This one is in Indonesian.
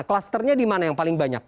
klusternya di mana yang paling banyak